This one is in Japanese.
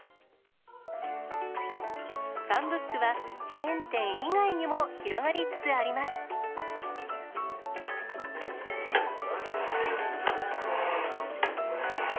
ファンブックは、チェーン店以外にも広がりつつあります。